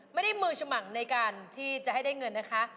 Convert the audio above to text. มือฉมังในการที่จะให้ได้เงินนะคะ